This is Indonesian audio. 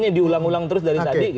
ini diulang ulang terus dari tadi